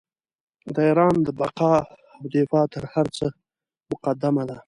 د ایران بقا او دفاع تر هر څه مقدمه ده.